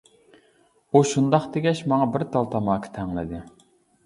ئۇ شۇنداق دېگەچ ماڭا بىر تال تاماكا تەڭلىدى.